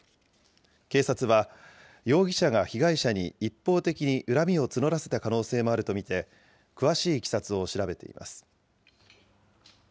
警察は、容疑者が被害者に一方的に恨みを募らせた可能性もあると見て、詳しいいきさつを調べています。